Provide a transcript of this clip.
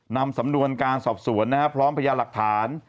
นำสำนวนการสอบสวนพร้อมพยานหลักฐาน